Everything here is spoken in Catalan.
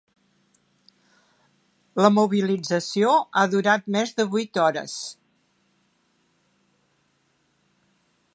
La mobilització ha durat més de vuit hores.